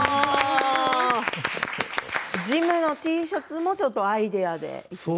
ジムのＴシャツもちょっとアイデアで。